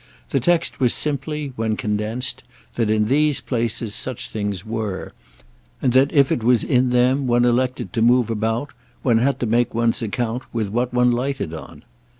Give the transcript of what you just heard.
The text was simply, when condensed, that in these places such things were, and that if it was in them one elected to move about one had to make one's account with what one lighted on.